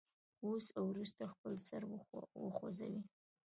اوس او وروسته خپل سر وخوځوئ.